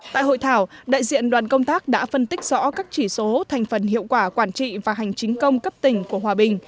tại hội thảo đại diện đoàn công tác đã phân tích rõ các chỉ số thành phần hiệu quả quản trị và hành chính công cấp tỉnh của hòa bình